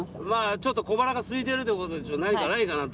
ちょっと小腹がすいてるということで何かないかなと。